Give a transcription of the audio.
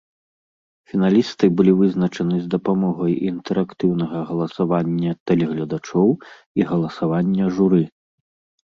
Фіналісты былі вызначаны з дапамогай інтэрактыўнага галасавання тэлегледачоў і галасавання журы.